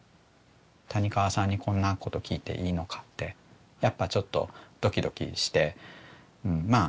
谷川さんにこんなこと聞いていいのかってやっぱちょっとドキドキしてまあ